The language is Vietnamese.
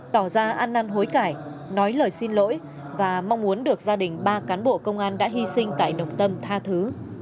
tỏ ra ăn năn hối cải nói lời xin lỗi và mong muốn được gia đình ba cán bộ công an đã hy sinh tại đồng tâm tha thứ